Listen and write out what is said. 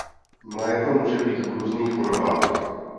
Mléko může být v různých podobách.